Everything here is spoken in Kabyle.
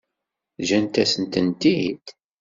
Ǧǧant-asent-tent-id?